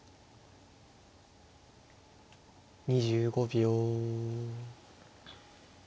２５秒。